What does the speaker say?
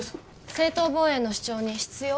正当防衛の主張に必要？